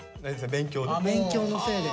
勉強のせいで。